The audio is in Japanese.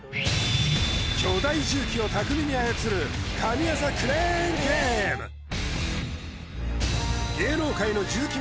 巨大重機を巧みに操る神業クレーンゲームさらに